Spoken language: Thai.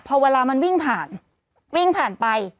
พอเวลามันวิ่งผ่านวิ่งผ่านไป